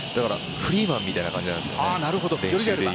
フリーマンみたいな感じなんです。